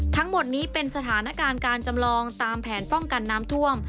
ทั้งหมดนี้เป็นสถานการณ์การจำลองตามแผนป้องกันน้ำท่วม